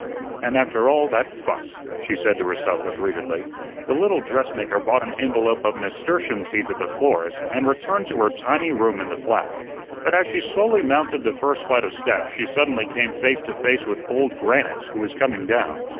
"And after all that fuss," she said to herself aggrievedly. The little dressmaker bought an envelope of nasturtium seeds at the florist's, and returned to her tiny room in the flat. But as she slowly mounted the first flight of steps she suddenly came face to face with Old Grannis, who was coming down.